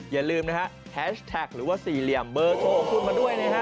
อย่าลืมนะฮะแฮชแท็กหรือว่าสี่เหลี่ยมเบอร์โทรของคุณมาด้วยนะฮะ